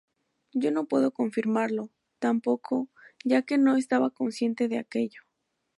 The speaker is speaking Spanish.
Y no puedo confirmarlo, tampoco, ya que no estaba consciente de aquello.